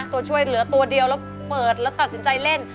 ตัวช่วยเหลือตัวเดียวแล้วเปิดแล้วตัดสินใจเล่น